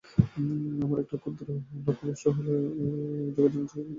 আমার একটা ক্ষুদ্র তীর লক্ষ্যভ্রষ্ট হইলেও জগৎ সংসার যেমন চলিতেছিল তেমনি চলিবে।